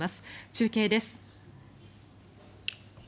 中継です。